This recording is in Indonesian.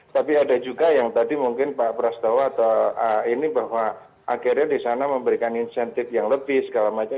tapi ada juga yang tadi mungkin pak prastowo atau ini bahwa akhirnya di sana memberikan insentif yang lebih segala macam